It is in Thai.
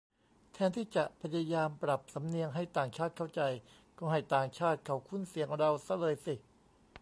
แทนที่จะพยายามปรับสำเนียงให้ต่างชาติเข้าใจ ก็ให้ต่างชาติเขาคุ้นเสียงเราซะเลยสิ